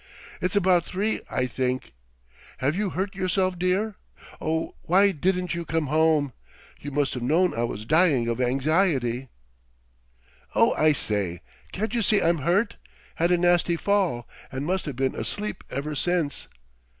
"It's about three, I think ... Have you hurt yourself, dear? Oh, why didn't you come home? You must've known I was dying of anxiety!" "Oh, I say! Can't you see I'm hurt? 'Had a nasty fall and must've been asleep ever since."